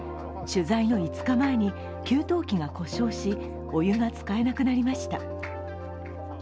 取材の５日前に給湯器が故障し、お湯が使えなくなりました。